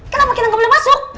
kenapa kita nggak boleh masuk